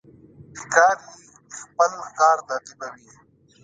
ښکاري خپل ښکار تعقیبوي.